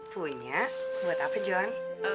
punya buat apa jon